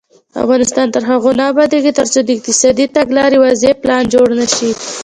افغانستان تر هغو نه ابادیږي، ترڅو د اقتصادي تګلارې واضح پلان جوړ نشي.